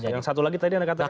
yang satu lagi tadi anda katakan